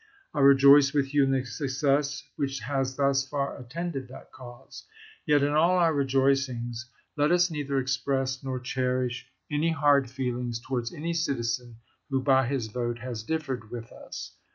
I rejoice with you in the success which has thus far attended that cause. Yet in all our rejoicings, let us neither express nor cherish any hard feelings towards any citizen who by his vote has differed with us.